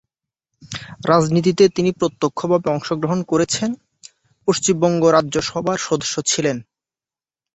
রাজনীতিতে তিনি প্রত্যক্ষভাবে অংশ গ্রহণ করেছেন; পশ্চিমবঙ্গ রাজ্য সভার সদস্য ছিলেন।